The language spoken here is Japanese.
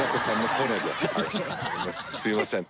すいません。